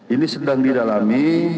ini sedang didalami